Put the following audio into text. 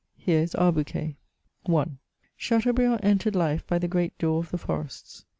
Here is our bouquet* I. Chateaubriand entered life by the great door of the forests.